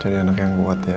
jadi anak yang kuat ya